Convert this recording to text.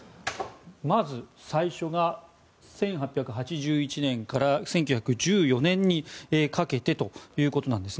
まず最初が１８８１年から１９１４年にかけてということなんです。